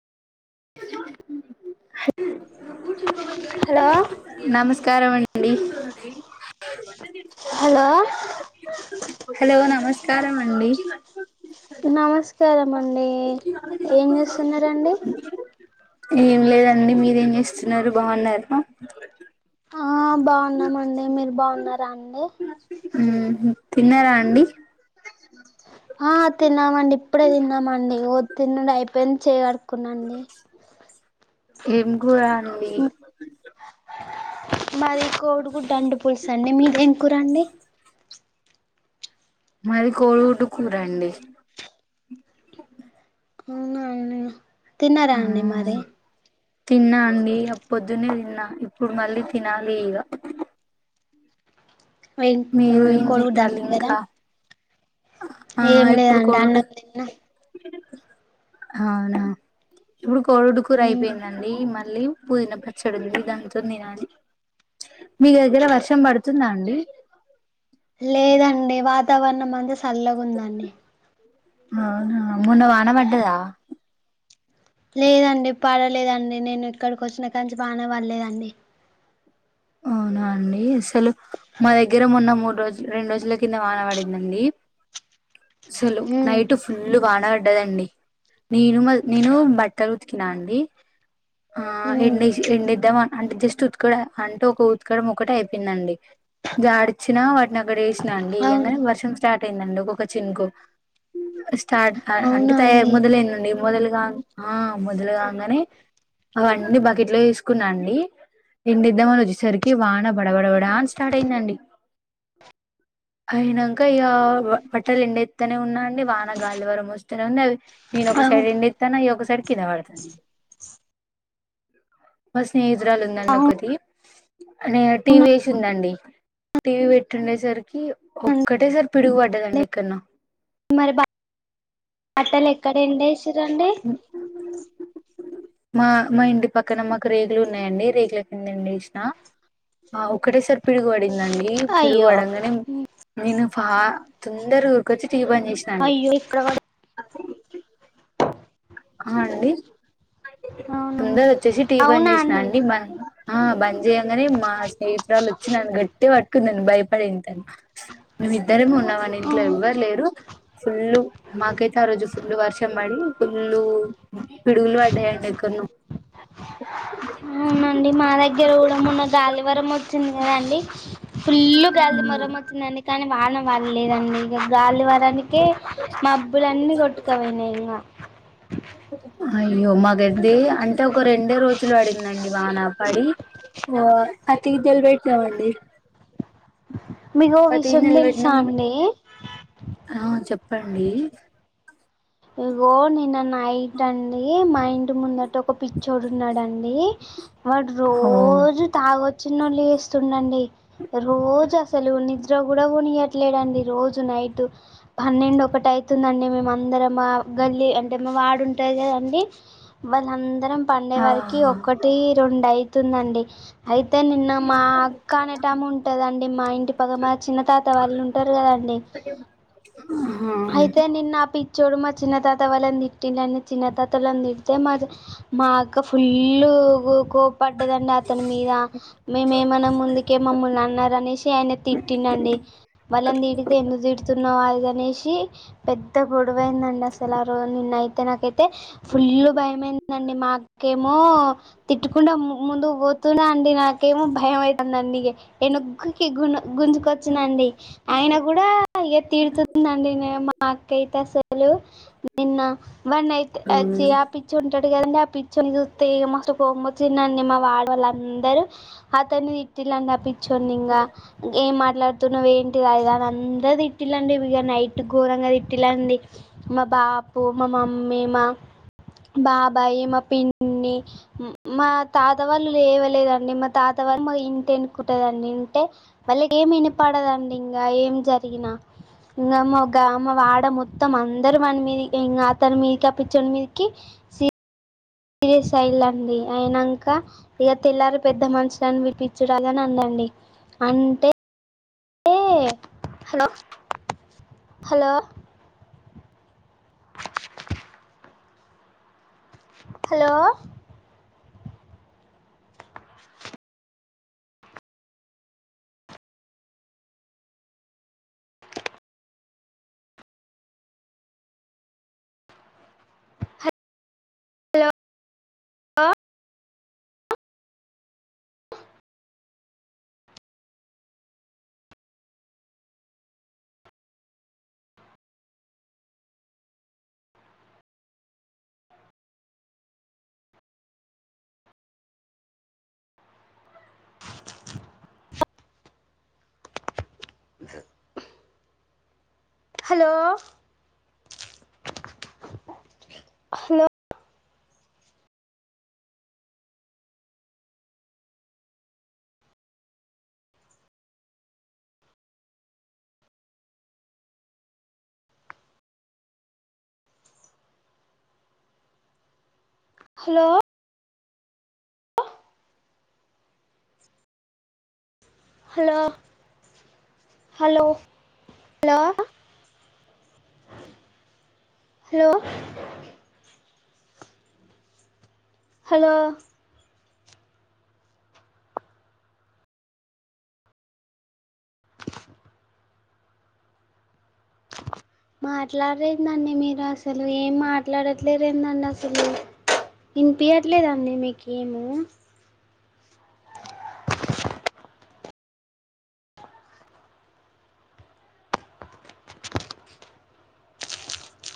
హ హలో నమస్కారం అండి హలో హలో నమస్కారం అండి నమస్కార అండి ఏం చేస్తున్నారండి ఏం లేదండి మీరేం చేస్తున్నారు బాగున్నారా ఆ బాగున్నామండి మీరు బాన్నారా అండి ఉమ్ తిన్నారా అండి ఆ తిన్నామండి ఇప్పుడే తిన్నామండి ఓ తినుడూ అయిపోయింది చెయ్ కడుక్కున్నన్నాండి ఏం కూర అండి మాది కోడిగుడ్డు అండ పులుసు అండి మీది ఎం కూరండి మది కోడిగుడు కూర అండి అవునాండి ఆ తిన్నారా అండి మరి తిన్నా అండి ఆ పొద్దునే తిన్నా ఇప్పుడు మళ్ళీ తినాలి ఇగ ఏం మీరు ఏం కోడిగుడ్డు చేత్తాళ్లు అన్నారు కదా ఇంకా ఆ ఏం ఇప్పుడు లేదండి కోడిగుడ్డు అన్నం తిన్నా అవునా ఇప్పుడు కోడిగుడ్డు కూర అయిపోయింది నంది మళ్ళీ పుదీనా పచ్చడి ఉంది దానితో తినాలి మీ దగ్గర వర్షం పడుతుందా అండి లేదండి వాతావరణం అంతా చల్లగుదండి అవునా మొన్న వాన పడ్డదా లేదండి పడలేదండి నేను ఇక్కడికి వచ్చినకంచి వాన పల్లె అండి అవునా అండి అసలు మా దగ్గర మొన్న మూడు రోజులు రెండు రోజుల కింద వాన పడిందండి అసలు ఉమ్ నైట్ ఫుల్ వాన పడ్డదండి నేను మా నేను బట్టలు ఉతికి కినా అండి ఆ ఎ ఉమ్ ఎడిద్దాం అంటే జస్ట్ ఉత్కక అంటే ఒక ఊత్కడ ఒక్కటే అయిపోయిందండి జాడిచిన వాటి అక్కడ వేసినా అండి అవును వేయంగానే వర్షం స్టార్ట్ అయిందండి ఒక్కొక్క చినుకు స్టార్ట్ అంటే అవునా తయ అండి మొదలేనుండి మొదలుగా ఆ మొదలు కాగానే అవన్నీ బకెట్లో తీసుకున్నా అండి ఎం ధమ వచ్చేసరికి వాన బడబడవడాని స్టార్ట్ అయిందండి అయినాక ఇక బట్టలు ఎండే తేనె ఉన్నా అండి వాన గాలి దువారం వస్తూనే ఉంది అవది నేను ఒక అవు సైడ్ ఎందేత్తాన ఇయ ఒ ఒకసైడ్ కింద పడుతున్నాయి మా స్నేహితురాలు ఉందండి అవునా ఒకటి. అ టీవీ ఏసిందండీ. టీవీ పెట్టిండేసరికి అండి ఒక్కటే సారి పిడుగు పడ్డదండి ఎక్కడనో మరి బట్టలు ఎక్కడ ఎండేసిరండి. మా మా ఇంటి పక్కన మాకు రేకులున్నాయండి రేకుల కిందెండేసినా ఆ ఒకటేసారి పిడుగు పడిందండి పిడుగు అయ్యో పడంగానే నేను తొందరగా ఉరికొచ్చి టీవీ బంద్ చేసినా అండి. అయ్యో ఇక్కడ పడ హ అండి. అవునా తొందరొచ్చేసి టీవీ బంద్ చేసినా అండి. ఆ బంద్ చేయంగానే మా స్నేహితురాలొచ్చి నన్ను గట్టిగా పట్టుకున్నది. భయపడేంతగా. మేమిద్దరమే ఉన్నామండి ఇంట్లో ఎవ్వరు లేరు. ఫుల్, మాకైతే ఆ రోజు ఫుల్ వర్షం పడి, ఫుల్ ఫుల్ పిడుగులు పడ్డాయండి ఎక్కడ్నో. అవునండి మా దగ్గర కూడా మొన్న గాలివరం వచ్చింది కదండీ. ఫుల్ గాలి, దుమారం వచ్చిందండి. కానీ, వాన పల్లేదండి ఇగ గాలి దుమారానికే. కే మబ్బులన్నీ కొట్టుకపోయినయ్ ఇంగ. అయ్యో మాకయితే అంటే ఒక రెండే రోజులు పడిందండి వాన. పడి ఓ పత్తిగింజల్ పెట్టినామండి. మీకో పది విషయం గిన్నెలు తెలుసా పెట్టినాం అండి? ఆ చెప్పండి. ఇగో నిన్న నైట్ అండి, మా ఇంటి ముందటొక పిచ్చోడు ఉన్నాడండి. వాడు ఓ రోజూ తాగొచ్చి లొళ్ళి చేస్తుండండి. రోజు అసలు నిద్ర నిద్ర కూడా పోనియట్లేడండి రోజు నైట్ పన్నెండు ఒకటి అయితుందండి మేమందరం. మా గల్లీ అంటే మా వాడుంటది కదండీ వాళ్ళందరం పండే ఆ వరకి ఒకటి రెండయితుందండి. అయితే నిన్న మా అక్క అనేటామె ఉంటదండి మా ఇంటి పక్క మా చిన్న తాత వాళ్ళుంటారు కదాండీ. అహామ్ చూడు మా చిన్న తాత వాళ్ళను తిట్టిండని చిన్న తాతల్లోను తిడితే మాది మా అక్క ఫుల్ కోప్పడ్డదండి అతని మీద మేమేమనముందుకే మమ్ముల్ని అన్నారనేసి ఆయన తిట్టిండండి. వాళ్ళను తిడితే ఎందుకు తిడుతున్నావ్ అది ఇది అనేసి పెద్ద గొడవైందండి. అసలు ఆ రోజు నిన్నయితే నాకైతేఫుల్ భయమైంది. అండి మా అక్కేమో తిట్టుకుండా ముందు కు పోతున్నా అండి నాకేమో భయమయితందండి ఇగ ఎనుగ్గా గును గుంజుకొచ్చినానండి అయినా కూడా ఇగ తిడుతుందండినే మా అక్కా నాకైతే అసలు నిన్న వాన్నియితే ఆ ఆపిచ్చొడుంటాడు కదండీ ఆ పిచ్చో పిచ్చొన్ని చూస్తే ఇగ మస్తు కొపం వచ్చిందండి. మా వాడొళ్ళందరు అతన్ని తిట్టిల్లండి అపిచ్ పిచ్చొన్నింగా ఏం మాట్లాడ తున్నవ్ ఏంటిది అది ఇది అని అందరూ తిట్టిల్లండి. ఇగ నైట్ ఘోరంగా తిట్ తిట్టిల్లండి మా బాబు, మా మమ్మీ, మా బాబాయి, మా పిన్ని మా తాత వాళ్ళు లేవలేదండి. మా తాత వాళ్ళు లేవలేదండి మా ఇంటేనుకుంటాదండి. ఉంటే వాళ్ళకి ఏమి వినపడదండి. ఇంగ ఏం జరిగినా, ఇంగ మొగామ వాడ ఇగ మొత్తం అందరూ వాని మీదికే ఇంగ అతని మీదకి అ పిచ్చొని మీదికి సీరియస్ అయిల్లండి అయినాంక ఇగ తెల్లారి పెద్ద మషులని పిలిపిచ్చుదాళ్లని అందండి అంటే ఏ హలో, హలో హలో ఆ ఓ hello hello hello hello hello లో హలో హలో మాట్లారెందండి మీరసలు ఏం మాట్లాడట్లే ఏందండి అసలు ఇనిపీయట్లేదండి మీకేము